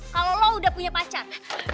kalau lo udah punya pacar